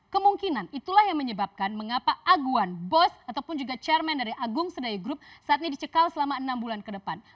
kemungkinan itulah yang menyebabkan mengapa aguan bos ataupun juga chairman dari agung sedaya group saat ini dicekal selama enam bulan ke depan